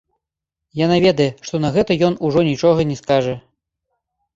Яна ведае, што на гэта ён ужо нічога не скажа.